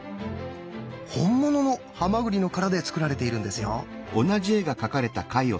本物のハマグリの殻で作られているんですよ。